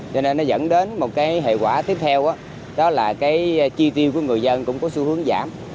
cho nên nó dẫn đến một cái hệ quả tiếp theo đó là cái chi tiêu của người dân cũng có xu hướng giảm